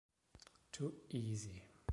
Too easy.